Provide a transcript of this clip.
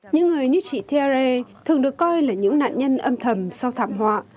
những người như chị thierry thường được coi là những nạn nhân âm thầm sau thảm họa